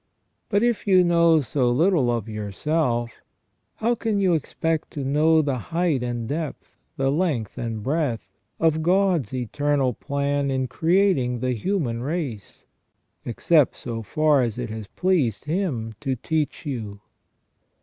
But if you know so little of your self, how can you expect to know the height and depth, the length and breadth, of God's eternal plan in creating the human race, except so far as it has pleased Him to teach you.